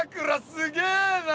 すげえな！